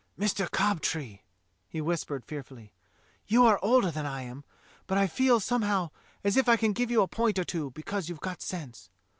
"Mister Cobtree," he whispered fearfully, "you are older than I am, but I feel somehow as if I can give you a point or two, because you've got sense.